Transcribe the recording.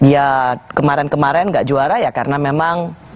ya kemarin kemarin gak juara ya karena memang